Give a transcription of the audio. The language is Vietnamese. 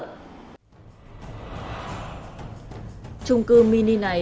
trong trung cư mini này